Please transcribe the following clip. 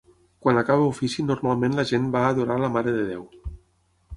Quan acaba ofici normalment la gent va a adorar a la Mare de Déu.